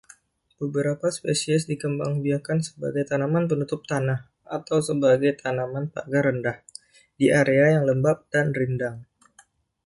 Beberapa spesies dikembangbiakkan sebagai tanaman penutup tanah atau sebagai tanaman pagar rendah di area yang lembap dan rindang.